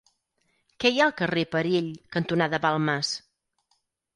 Què hi ha al carrer Perill cantonada Balmes?